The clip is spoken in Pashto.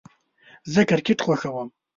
زه کرکټ خوښوم